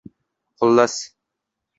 Xullas